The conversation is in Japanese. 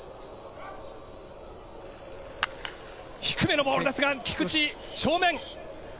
低めのボールですが菊池正面。